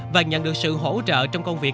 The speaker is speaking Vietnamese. và nhận được sự hỗ trợ trong công việc